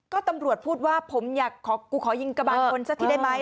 ก็ตำรวจพูดว่าผมอยากกูขอยิงกระบาดคนสักทีได้ไหม